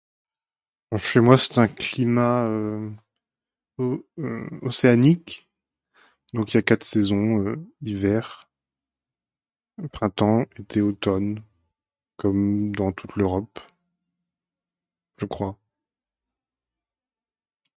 Chez moi, c'est un climat océanique. Donc il y a quatre saisons, l'hiver, le printemps, l'été, automne. Comme dans toute l'Europe, je crois.